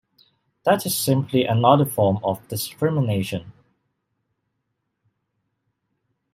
That is simply another form of discrimination.